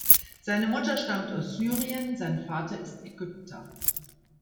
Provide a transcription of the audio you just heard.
Seine Mutter stammt aus Syrien, sein Vater ist Ägypter.